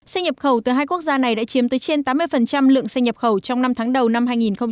xe nhập khẩu từ hai quốc gia này đã chiếm tới trên tám mươi lượng xe nhập khẩu trong năm tháng đầu năm hai nghìn hai mươi